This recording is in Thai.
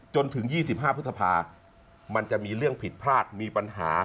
จนถึง๒๕พฤษภามันจะมีเรื่องผิดพลาดมีปัญหา